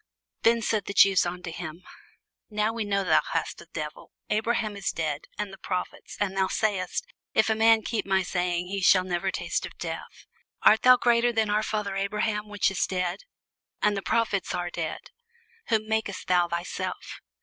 Then said the Jews unto him, Now we know that thou hast a devil. Abraham is dead, and the prophets; and thou sayest, If a man keep my saying, he shall never taste of death. Art thou greater than our father Abraham, which is dead? and the prophets are dead: whom makest thou thyself?